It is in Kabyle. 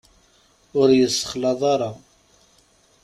Ur yessexlaḍ ara.